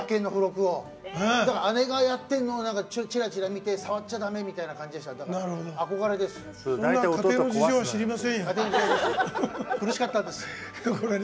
姉がやってるのをちらちら見て触っちゃだめみたいな感じでしたね。